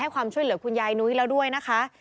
ความช่วยเหลือคุณยายนุ้ยแล้วด้วยนะคะ